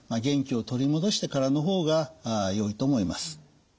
元気を取り戻してからの方がよいと思います。